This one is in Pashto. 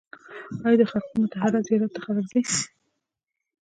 آیا د خرقه مطهره زیارت ته خلک ځي؟